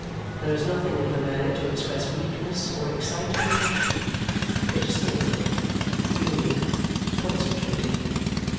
There is nothing in her manner to express weakness or excite compassion. It is thoughtful, gloomy, concentrated.